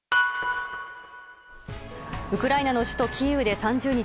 ウクライナの首都キーウで３０日